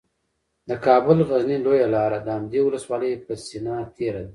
د کابل غزني لویه لاره د همدې ولسوالۍ په سینه تیره ده